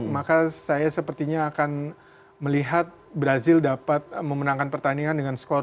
maka saya sepertinya akan melihat brazil dapat memenangkan pertandingan dengan skor dua